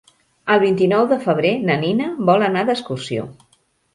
El vint-i-nou de febrer na Nina vol anar d'excursió.